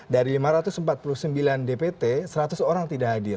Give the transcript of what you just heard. dari lima ratus empat puluh sembilan dpt seratus orang tidak hadir